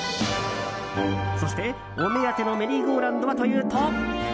そして、お目当てのメリーゴーラウンドはというと。